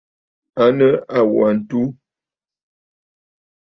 À nɨ àwa ǹtu.